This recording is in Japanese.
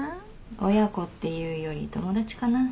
親子っていうより友達かな。